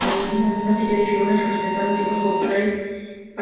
Una serie de figuras representando tipos populares parecen ser de su mano.